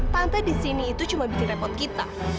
pantai di sini itu cuma bikin repot kita